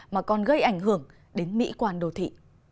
mà còn gây ảnh hưởng đến mỹ quan đô thị